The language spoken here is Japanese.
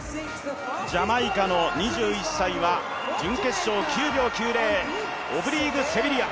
ジャマイカの２１歳は準決勝、９秒９０オブリーク・セビリア。